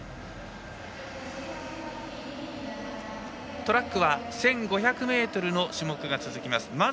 トラックは１５００ｍの種目が続きます。